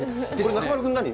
中丸君、何？